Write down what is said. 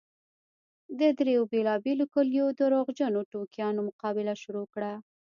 د دريو بېلابېلو کليو درواغجنو ټوکیانو مقابله شروع کړه.